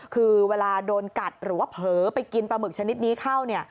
คือเวลาโดนกัดหรือว่าเผลอไปกินปลาหมึกชนิดนี้เข้า